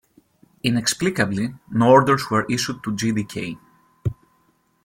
Inexplicably, no orders were issued to G.d.K.